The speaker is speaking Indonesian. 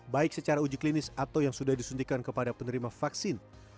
baik secara uji klinis atau yang sudah disuntikan kepada penerima vaksin